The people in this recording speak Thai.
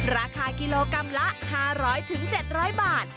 ราคากิโลกรัมละ๕๐๐๗๐๐บาท